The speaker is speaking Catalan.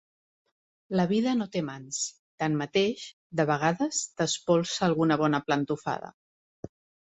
La vida no té mans; tanmateix, de vegades t'espolsa alguna bona plantofada.